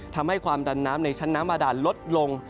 ทำให้ความดันน้ำในชั้นน้ำบาดานลดลง